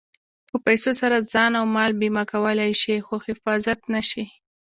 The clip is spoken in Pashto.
په پیسو سره ځان او مال بیمه کولی شې خو حفاظت نه شې.